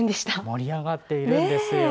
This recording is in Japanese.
盛り上がっているんですよ。